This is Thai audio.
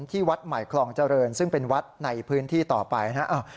ที่วัดใหม่คลองเจริญซึ่งเป็นวัดในพื้นที่ต่อไปนะครับ